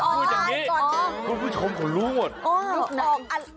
อย่าพูดอย่างนี้คุณผู้ชมของลูกหมด